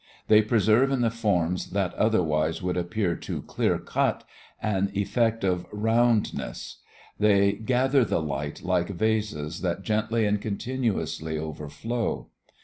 They preserve in the forms that otherwise would appear too clear cut an effect of roundness; they gather the light like vases that gently and continuously overflow.